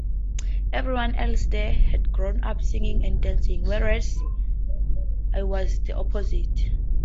Everyone else there had grown up singing and dancing, whereas I was the opposite.